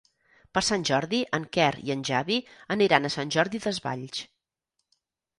Per Sant Jordi en Quer i en Xavi aniran a Sant Jordi Desvalls.